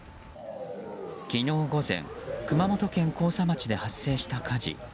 昨日午前、熊本県甲佐町で発生した火事。